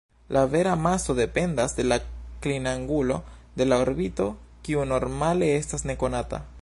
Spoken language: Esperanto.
La vera maso dependas de la klinangulo de la orbito, kiu normale estas nekonata.